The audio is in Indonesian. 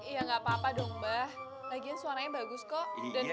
iya gak apa apa dong mbah lagian suaranya bagus kok